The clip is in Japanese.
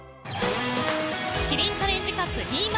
キリンチャレンジカップ２０２２